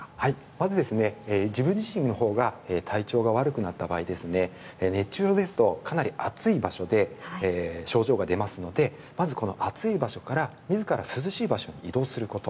まず、自分自身の体調が悪くなった場合熱中症ですとかなり暑い場所で症状が出ますのでまずは暑い場所から自ら涼しい場所に移動すること。